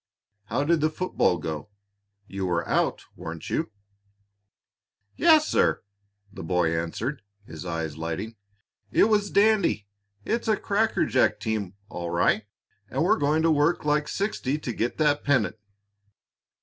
How did the football go? You were out, weren't you?" "Yes, sir," the boy answered, his eyes lighting. "It was dandy! It's a crackerjack team, all right, and we're going to work like sixty to get that pennant."